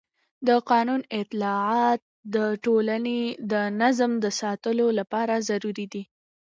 د قانون اطاعت د ټولنې د نظم د ساتلو لپاره ضروري دی